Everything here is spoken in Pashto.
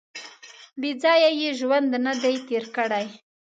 • بېځایه یې ژوند نهدی تېر کړی.